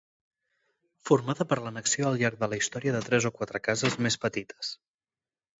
Formada per l'annexió al llarg de la història de tres o quatre cases més petites.